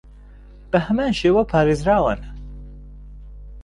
بەهەمان شێوە پارێزراون